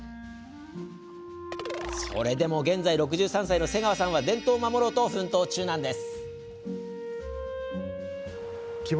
それでも現在６３歳の瀬川さんは伝統を守ろうと奮闘中なんです。